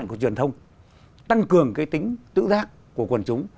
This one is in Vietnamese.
tăng cường truyền thông tăng cường cái tính tự giác của quần chúng